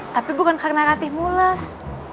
tapi bukan karena ratih mules